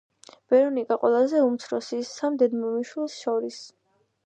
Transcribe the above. ვერონიკა ყველაზე უმცროსის სამ დედმამიშვილს შორის.